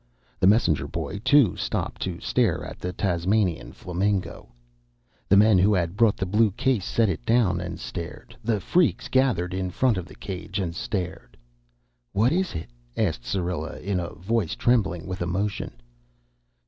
The messenger boy, too, stopped to stare at the Tasmanian flamingo. The men who had brought the blue case set it down and stared. The freaks gathered in front of the cage and stared. "What is it?" asked Syrilla in a voice trembling with emotion.